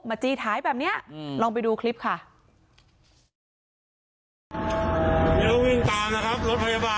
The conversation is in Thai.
เปิดไฟเปิดเสียงวิ่งตามจ้ามัยครับ